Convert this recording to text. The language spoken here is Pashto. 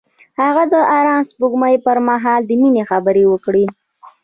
هغه د آرام سپوږمۍ پر مهال د مینې خبرې وکړې.